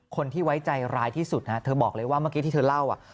คนที่ไว้ใจร้ายที่สุดเธอบอกเลยว่าเมื่อกี้ที่เธอเล่า